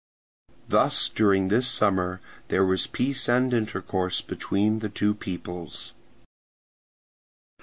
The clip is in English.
Thus during this summer there was peace and intercourse between the two peoples.